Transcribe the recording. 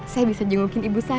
saya bisa jengukin ibu saya